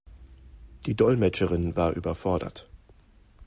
Die Dolmetscherin war überfordert.